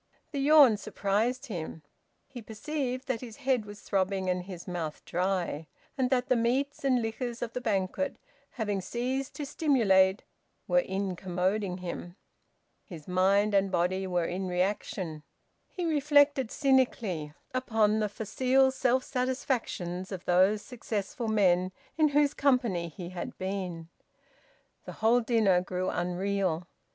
The yawn surprised him. He perceived that his head was throbbing and his mouth dry, and that the meats and liquors of the banquet, having ceased to stimulate, were incommoding him. His mind and body were in reaction. He reflected cynically upon the facile self satisfactions of those successful men in whose company he had been. The whole dinner grew unreal.